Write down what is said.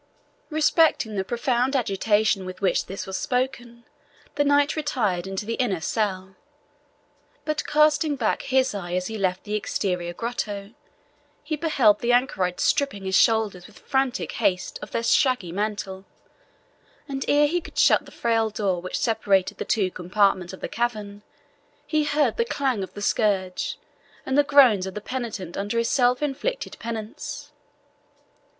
Respecting the profound agitation with which this was spoken, the knight retired into the inner cell; but casting back his eye as he left the exterior grotto, he beheld the anchorite stripping his shoulders with frantic haste of their shaggy mantle, and ere he could shut the frail door which separated the two compartments of the cavern, he heard the clang of the scourge and the groans of the penitent under his self inflicted penance.